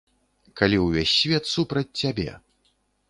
Калі ўвесь свет супраць цябе.